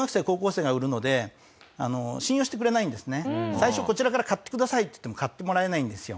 最初こちらから「買ってください」って言っても買ってもらえないんですよ。